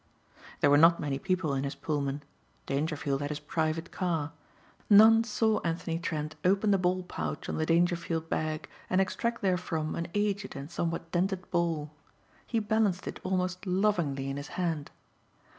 There were not many people in his Pullman. Dangerfield had his private car. None saw Anthony Trent open the ball pouch on the Dangerfield bag and extract therefrom an aged and somewhat dented ball. He balanced it almost lovingly in his hand.